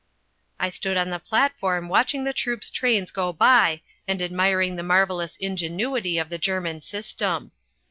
I stood on the platform watching the troops trains go by and admiring the marvellous ingenuity of the German system.